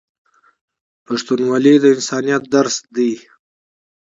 پښتونولي د انسانیت درس دی.